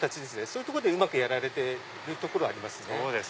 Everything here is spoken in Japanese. そういうとこでうまくやられてるところはありますね。